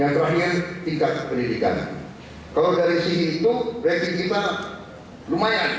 yang terakhir tingkat pendidikan